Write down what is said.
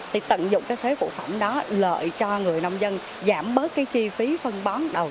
thì tận dụng cái phế cụ phẩm đó lợi cho người nông dân giảm bớt cái chi phí phân bón đầu